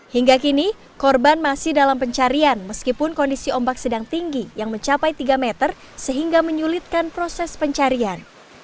hingga kini korban masih dalam pencarian meskipun kondisi ombak sedang tinggi yang mencapai tiga meter sehingga menyulitkan proses pencarian